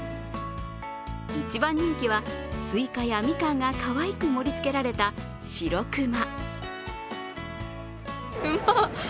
一番人気は、すいかや、みかんがかわいく盛りつけられたしろくま。